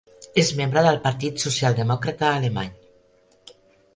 És membre del Partit Socialdemòcrata Alemany.